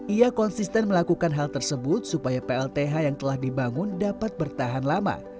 ia konsisten melakukan hal tersebut supaya plth yang telah dibangun dapat bertahan lama